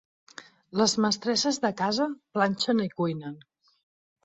Les mestresses de casa planxen i cuinen.